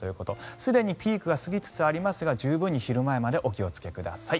すでにピークは過ぎつつありますが十分に昼前までお気をつけください。